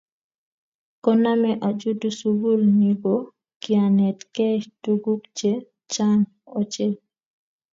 Koname achutu sukuli ni ko kianetkei tugun che chan ochei.